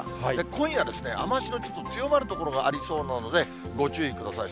今夜、雨足の強まる所がありそうなので、ご注意ください。